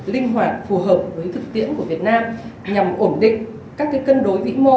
linh hoạt phù hợp với thực tiễn của việt nam nhằm ổn định các cân đối vĩ mô